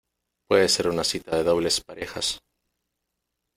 puede ser una cita de dobles parejas.